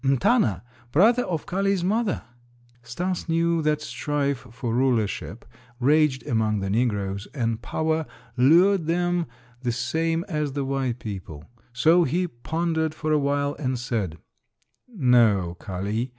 "M'Tana, brother of Kali's mother." Stas knew that strife for rulership raged among the negroes and power lured them the same as the white people; so he pondered for a while and said: "No, Kali.